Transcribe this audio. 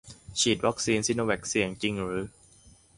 ฉีดวัคซีนซิโนแวคเสี่ยงจริงหรือ